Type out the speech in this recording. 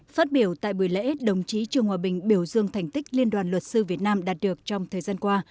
phát biểu tại buổi lễ đồng chí trương hòa bình biểu dương thành tích liên đoàn luật sư việt nam đạt được trong thời gian qua